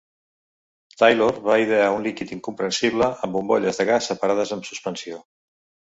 Taylor va idear un líquid incompressible amb bombolles de gas separades en suspensió.